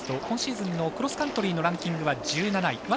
今シーズンのクロスカントリーのランキングは１７位。